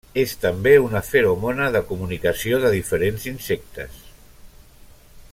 És també una feromona de comunicació de diferents insectes.